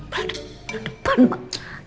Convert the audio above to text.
bulan depan mak